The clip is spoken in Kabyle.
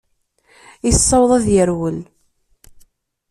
Yessaweḍ ad d-yerwel.